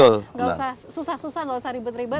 nggak usah susah susah nggak usah ribet ribet